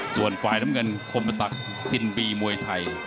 ส่วนฝ่ายล้ำเงินขมปะตักซินบีมวยไทย